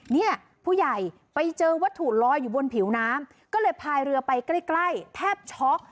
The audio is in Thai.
เนี่ยผู้ใหญ่ไปเจอวัตถุลอยอยู่บนผิวน้ำก็เลยพายเรือไปใกล้ใกล้แทบช็อก